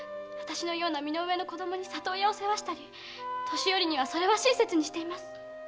私のような身の上の子供に里親を世話したり年寄りにはそれは親切にしています。